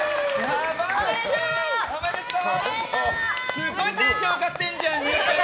すごいテンション上がってんじゃんによちゃみ！